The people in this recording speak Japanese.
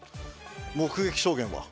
目撃証言は？